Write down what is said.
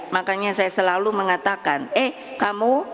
makanya saya selalu mengatakan eh kamu